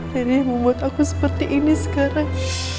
riri yang membuat aku seperti ini sekarang